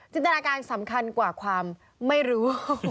ตนาการสำคัญกว่าความไม่รู้